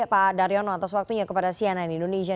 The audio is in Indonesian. pak daryono atas waktunya kepada cnn indonesia